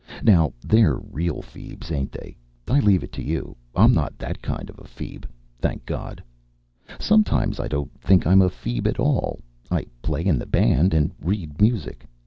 Now they're real feebs, ain't they? I leave it to you. I'm not that kind of a feeb, thank God. Sometimes I don't think I'm a feeb at all. I play in the band and read music.